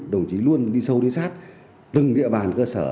đồng chí luôn đi sâu đến sát từng địa bàn cơ sở